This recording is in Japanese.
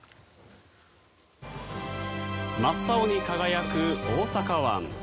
真っ青に輝く大阪湾。